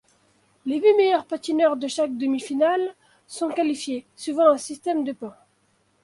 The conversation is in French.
Les huit meilleurs patineurs de chaque demi-finale sont qualifiés, suivant un système de points.